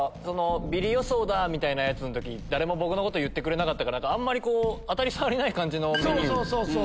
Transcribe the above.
ビリ予想だ！みたいなやつの時誰も僕のこと言わなかったから当たり障りない感じのメニュー。